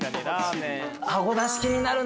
あごだし気になるな。